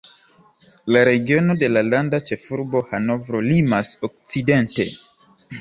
La regiono de la landa ĉefurbo Hanovro limas okcidente.